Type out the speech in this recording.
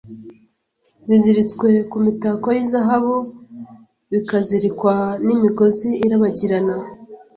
biziritswe ku mitako y'izahabu bikazirikwa n'imigozi irabagirana,